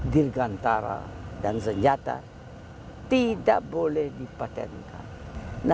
dirgantara dan senjata tidak boleh dipatenkan